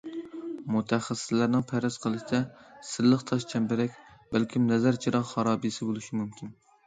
مۇتەخەسسىسلەرنىڭ پەرەز قىلىشىچە، سىرلىق« تاش چەمبىرەك» بەلكىم نەزىر چىراغ خارابىسى بولۇشى مۇمكىن.